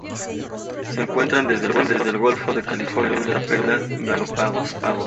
Se encuentran desde el golfo de California hasta Perú y las islas Galápagos.